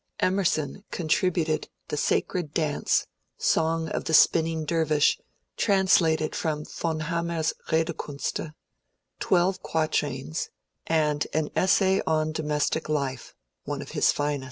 Emerson contributed " The Sacred Dance " (song of the Spinning Dervish, translated from Yon Hammer's Rede kunste) ; twelve quatrains ; and an essay on " Domestic Life " (one of his finest).